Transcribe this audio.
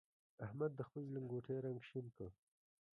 احمد د خپلې لنګوټې رنګ شين کړ.